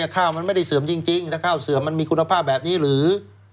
ข้าวมันไม่ได้เสื่อมจริงถ้าข้าวเสื่อมมันมีคุณภาพแบบนี้หรือ